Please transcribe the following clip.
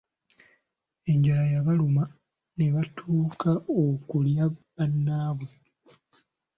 Enjala yabaluma ne batuuka okulya bannaabwe.